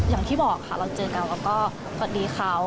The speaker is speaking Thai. อย่างที่บอกค่ะเราเจอกันแล้วก็พอดีเขา